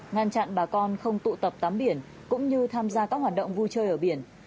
ngăn chặn bà con không tụ tập tắm biển cũng như tham gia các hoạt động vui chơi ở biển